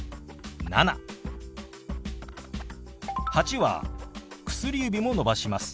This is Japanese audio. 「８」は薬指も伸ばします。